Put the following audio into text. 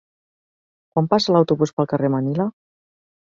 Quan passa l'autobús pel carrer Manila?